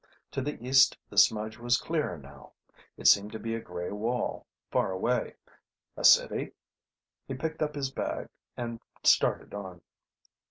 To the east the smudge was clearer now; it seemed to be a grey wall, far away. A city? He picked up his bag and started on.